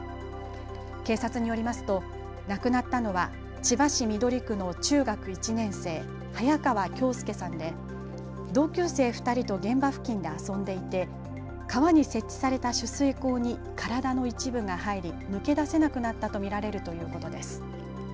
警察によりますと亡くなったのは千葉市緑区の中学１年生、早川京佑さんで同級生２人と現場付近で遊んでいて川に設置された取水口に体の一部が入り抜け出せなくなったと見られるということです。